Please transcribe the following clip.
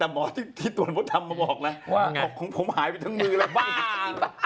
หมอที่ตรวจพอทำมาบอกนะผมหายไปทั้งมือเลยบ้า